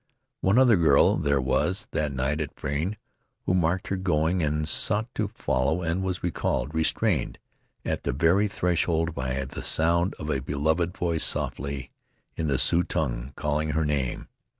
One other girl there was, that night at Frayne, who marked her going and sought to follow and was recalled, restrained at the very threshold by the sound of a beloved voice softly, in the Sioux tongue, calling her name.